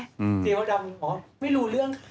เจ๊มดดำอ๋อไม่รู้เรื่อง